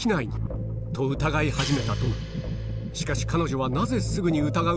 しかし彼女は